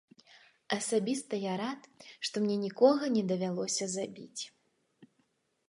Асабіста я рад, што мне нікога не давялося забіць.